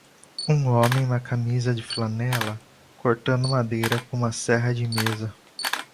Um homem em uma camisa de flanela cortando madeira com uma serra de mesa.